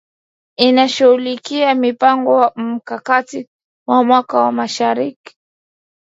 inashughulikia mpango mkakati wa mwaka wa mashirika